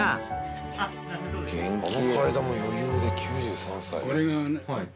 あの階段も余裕で９３歳。